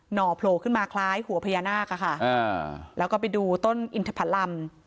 ห่อโผล่ขึ้นมาคล้ายหัวพญานาคอะค่ะแล้วก็ไปดูต้นอินทพลัม